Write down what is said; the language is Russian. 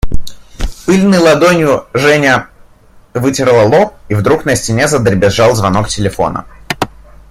Пыльной ладонью Женя вытерла лоб, и вдруг на стене задребезжал звонок телефона.